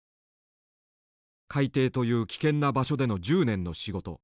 海底という危険な場所での１０年の仕事。